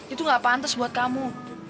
itu gak pantas buat kamu